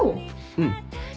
うん。